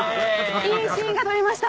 いいシーンが撮れました。